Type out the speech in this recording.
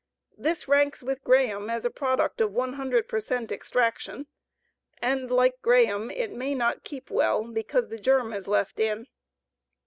This ranks with Graham as a product of 100 per cent extraction and like Graham, it may not keep well, because the germ is left in.